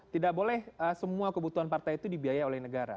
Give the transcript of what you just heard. tidak boleh semua kebutuhan partai itu dibiaya oleh negara